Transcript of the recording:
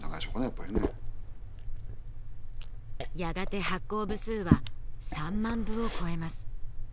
やっぱりねやがて発行部数は３万部を超えます